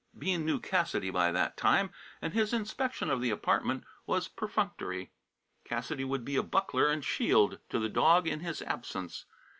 Bean knew Cassidy by that time, and his inspection of the apartment was perfunctory. Cassidy would be a buckler and shield to the dog, in his absence.